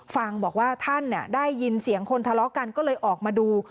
ฟังบอกว่าท่านได้ยินเสียงคนทะเลาะกันก็เลยออกมาดู